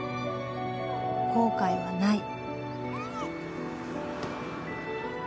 後悔はない。